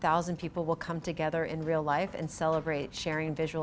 di mana lebih dari seribu orang akan berjumpa dalam hidup nyata dan mengucapkan pengalaman visual